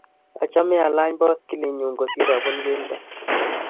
achame alany boskilii nyu kosir abun kelto.